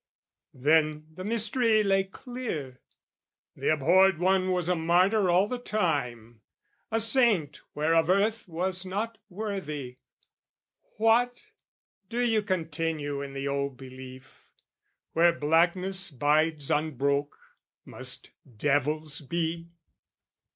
Then the mystery lay clear: "The abhorred one was a martyr all the time, "A saint whereof earth was not worthy. What? "Do you continue in the old belief? "Where blackness bides unbroke, must devils be?